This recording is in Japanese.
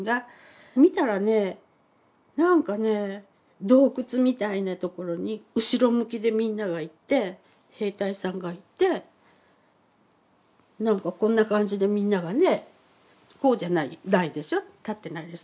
見たらね何かね洞窟みたいなところに後ろ向きでみんながいて兵隊さんがいて何かこんな感じでみんながね。こうじゃないないでしょ。立ってないです。